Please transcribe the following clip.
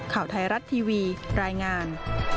ข่าวไทยรัฐทีวีรายงาน